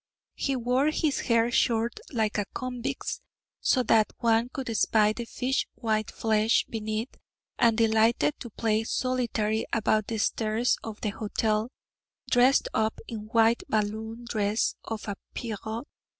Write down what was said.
He wore his hair short like a convict's, so that one could spy the fish white flesh beneath, and delighted to play solitary about the stairs of the hotel, dressed up in the white balloon dress of a Pierrot.